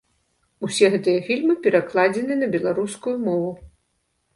Усе гэтыя фільмы перакладзены на беларускую мову.